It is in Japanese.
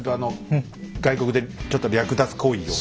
外国でちょっと略奪行為を。